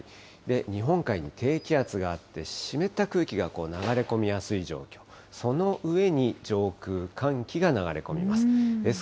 日本海に低気圧があって、湿った空気が流れ込みやすい状況、その上に、上空、寒気が流れ込みます。